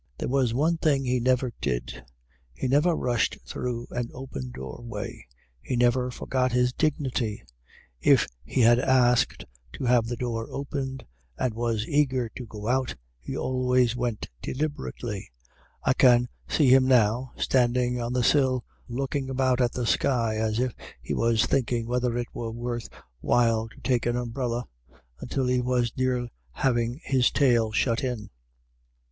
There was one thing he never did, he never rushed through an open doorway. He never forgot his dignity. If he had asked to have the door opened, and was eager to go out, he always went deliberately; I can see him now, standing on the sill, looking about at the sky as if he was thinking whether it were worth while to take an umbrella, until he was near having his tail shut in.